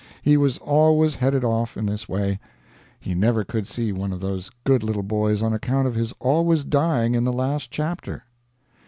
He was always headed off in this way. He never could see one of those good little boys on account of his always dying in the last chapter.